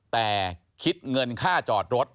แต่คิดเงินค่าจอดรถ